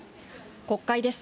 国会です。